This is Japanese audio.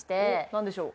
何でしょう？